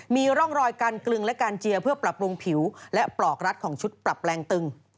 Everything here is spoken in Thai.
มีร่องรอยการกลึงและการเจียเพื่อปรับปรุงผิวและปลกรัดของชุดปรับแปลงตึง